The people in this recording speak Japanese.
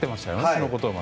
そのことを。